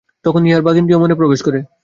তখন ইহার বাগিন্দ্রিয় মনে প্রবেশ করে।